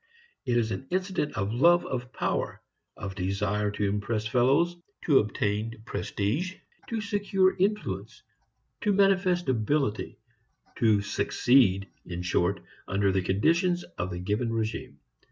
It is an incident of love of power, of desire to impress fellows, to obtain prestige, to secure influence, to manifest ability, to "succeed" in short under the conditions of the given regime.